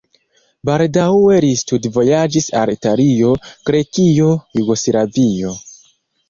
Baldaŭe li studvojaĝis al Italio, Grekio, Jugoslavio.